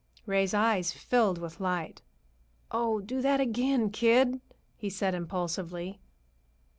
Ray's eyes filled with light. "Oh, do that again, kid!" he said impulsively.